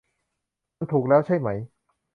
มันถูกแล้วใช่ไหม